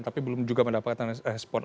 tapi belum juga mendapatkan respon